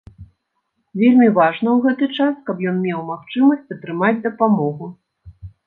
Вельмі важна ў гэты час, каб ён меў магчымасць атрымаць дапамогу.